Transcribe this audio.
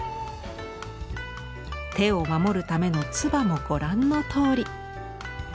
手を守るための鐔もご覧のとおり。